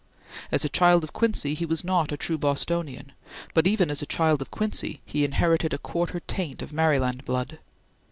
As a child of Quincy he was not a true Bostonian, but even as a child of Quincy he inherited a quarter taint of Maryland blood.